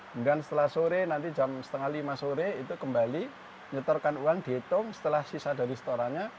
kemudian setelah sore nanti jam setengah lima sore itu kembali nyetorkan uang dihitung setelah sisa dari setorannya